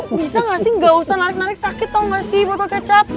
lo bisa gak sih gak usah narik narik sakit tau gak sih botol kecap